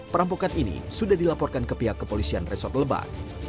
perampokan ini sudah dilaporkan ke pihak kepolisian resort lebak